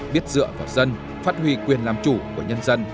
biết dựa vào dân phát huy quyền làm chủ của nhân dân